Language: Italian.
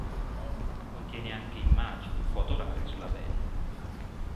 Contiene anche immagini e foto rare sulla band.